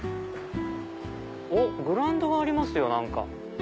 おっグラウンドがありますよ。